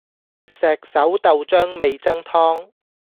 石狩豆漿味噌湯